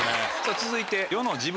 続いて。